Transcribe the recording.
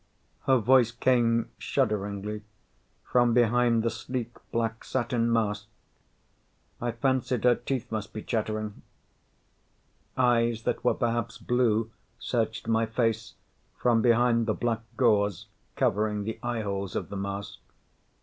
Her voice came shudderingly from behind the sleek black satin mask. I fancied her teeth must be chattering. Eyes that were perhaps blue searched my face from behind the black gauze covering the eyeholes of the mask.